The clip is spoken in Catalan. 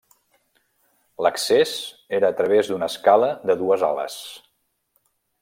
L'accés era a través d'una escala de dues ales.